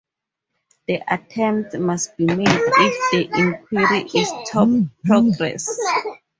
The attempt must be made if the inquiry is to progress.